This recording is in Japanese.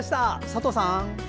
佐藤さん。